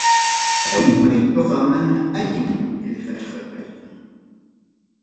Kay maytuqa mana allin qillqasqa kachkan.